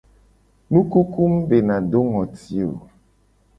Nukuku mu bena do ngoti o.